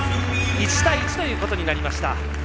１対１ということになりました。